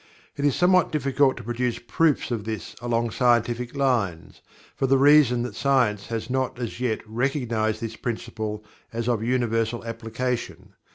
It is somewhat difficult to produce proofs of this along scientific lines, for the reason that science has not as yet recognized this Principle as of universal application.